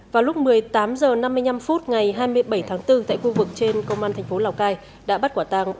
vào lúc một mươi tám h năm mươi năm phút ngày hai mươi bảy tháng bốn tại khu vực trên công an thành phố lào cai đã bắt quả tàng